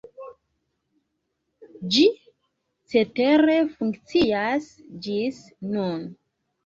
Ĝi cetere funkcias ĝis nun.